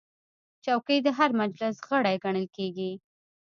چوکۍ د هر مجلس غړی ګڼل کېږي.